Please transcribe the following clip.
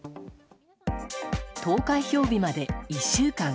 投開票日まで１週間。